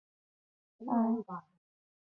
电影收获了普遍影评人的好评。